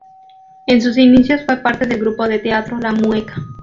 En sus inicios fue parte del grupo de teatro "La Mueca".